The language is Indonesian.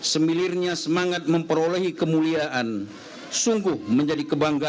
silakan pak kiai